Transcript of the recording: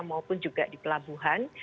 maupun juga di pelabuhan